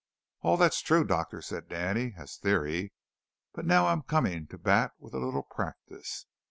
"All that's true, Doctor," said Danny, "as theory; but now I'm coming to bat with a little practice.